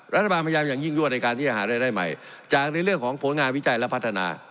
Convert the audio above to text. รัฐบาลพยายามอย่างยิ่งยั่วในการที่จะหารายได้ใหม่จากในเรื่องของผลงานวิจัยและพัฒนา